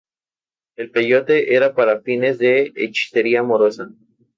El peyote era para fines de hechicería amorosa.